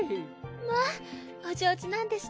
まあお上手なんですね。